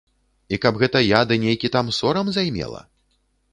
І каб гэта я ды нейкі там сорам займела?